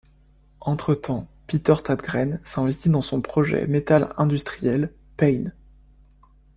Entre-temps, Peter Tägtgren s'investit dans son projet metal industriel Pain.